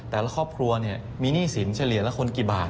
แต่ละครอบครัวมีหนี้สินเฉลี่ยละคนกี่บาท